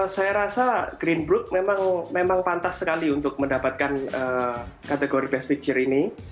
saya rasa green book memang pantas sekali untuk mendapatkan kategori best picture ini